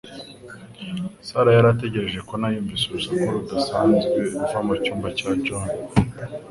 Sarah yari ategereje Connor yumvise urusaku rudasanzwe ruva mucyumba cya John.